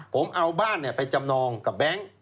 ผมเอาบ้านไปจำนองกับแบงค์